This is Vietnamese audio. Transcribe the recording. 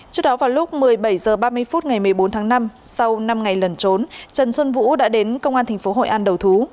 trước đó vào lúc một mươi bảy h ba mươi phút ngày một mươi bốn tháng năm sau năm ngày lẩn trốn trần xuân vũ đã đến công an tp hội an đầu thú